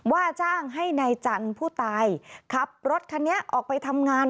ว่าจ้างให้นายจันทร์ผู้ตายขับรถคันนี้ออกไปทำงาน